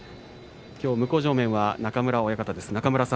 きょう向正面は中村親方です。